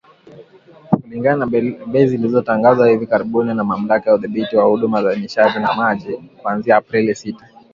Kulingana na bei zilizotangazwa hivi karibuni na Mamlaka ya Udhibiti wa Huduma za Nishati na Maji, kuanzia Aprili Sita